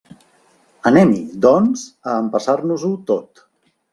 Anem-hi, doncs, a empassar-nos-ho tot.